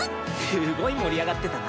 すごい盛り上がってたな。